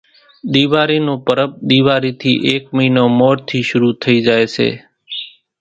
ۮيواري نون پرٻ ۮيواري ٿي ايڪ مئينو مور ٿي شرُو ٿئي زائي سي